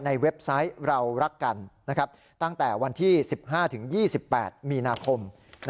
เว็บไซต์เรารักกันตั้งแต่วันที่๑๕๒๘มีนาคม